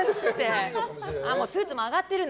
スーツも上がってるよ。